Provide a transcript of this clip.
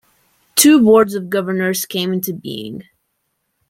Two Boards of Governors came into being.